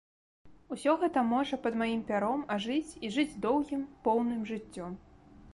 Усё гэта можа пад маім пяром ажыць і жыць доўгім, поўным жыццём.